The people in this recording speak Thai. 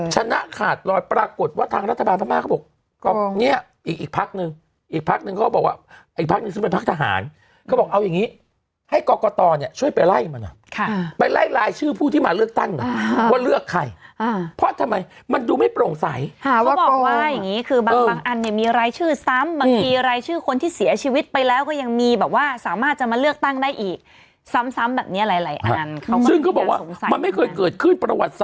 ชนะขาดรอยปรากฏว่าทางรัฐบาลภาพม่าเขาบอกเนี่ยอีกอีกพักนึงอีกพักนึงก็บอกว่าอีกพักนึงซึ่งเป็นพักทหารเขาบอกเอาอย่างนี้ให้กรกตรเนี่ยช่วยไปไล่มันอ่ะไปไล่รายชื่อผู้ที่มาเลือกตั้งอ่ะว่าเลือกใครเพราะทำไมมันดูไม่โปร่งใสเขาบอกว่าอย่างนี้คือบางอันเนี่ยมีรายชื่อซ้ำบางทีรายชื่อคนท